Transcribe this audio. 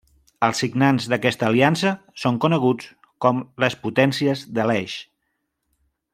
Els signants d'aquesta aliança són coneguts com les Potències de l'Eix.